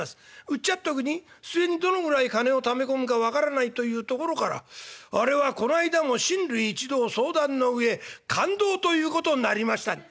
うっちゃっとくに末にどのぐらい金をため込むか分からないというところからあれはこないだも親類一同相談の上勘当ということになりました」。